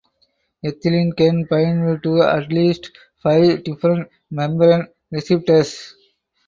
Ethylene can bind to at least five different membrane receptors.